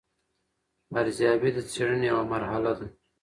ارزیابي د څېړنې یوه مرحله ده.